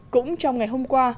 cũng trong ngày hôm qua